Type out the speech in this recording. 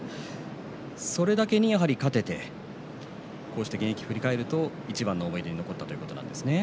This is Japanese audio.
それだけにやはり勝ててこうして現役時代を振り返るといちばん思い出に残ったということなんですね。